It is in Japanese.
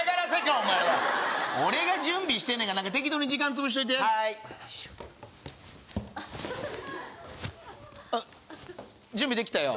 お前は俺が準備してんねんから適当に時間潰しといてはーい準備できたよ